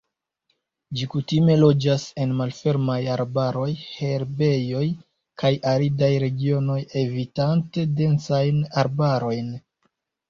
Ĝi kutime loĝas en malfermaj arbaroj, herbejoj kaj aridaj regionoj, evitante densajn arbarojn.